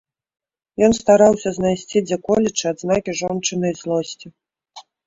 Ён стараўся знайсці дзе-колечы адзнакі жончынай злосці.